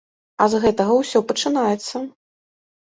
А з гэтага ўсё пачынаецца.